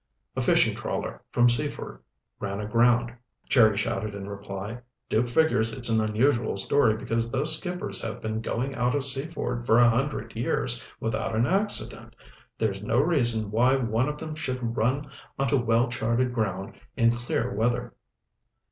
"A fishing trawler from Seaford ran aground," Jerry shouted in reply. "Duke figures it's an unusual story because those skippers have been going out of Seaford for a hundred years without an accident. There's no reason why one of them should run onto well charted ground in clear weather."